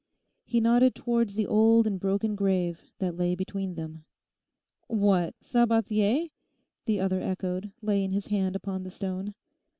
He nodded towards the old and broken grave that lay between them. 'What, Sabathier?' the other echoed, laying his hand upon the stone.